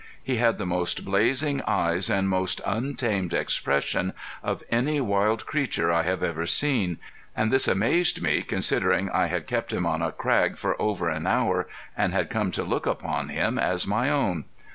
He had the most blazing eyes and most untamed expression of any wild creature I have ever seen; and this amazed me considering I had kept him on a crag for over an hour, and had come to look upon him as my own.